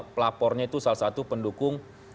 pelapornya itu salah satu pendukung